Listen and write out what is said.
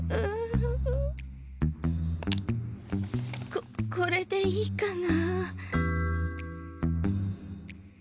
ここれでいいかな？